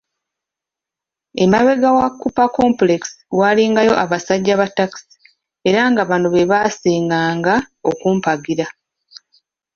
Emabega wa Cooper Complex waalingayo abasajja ba taxi era nga bano be baasinganga okumpagira.